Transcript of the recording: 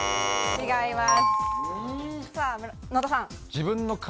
違います。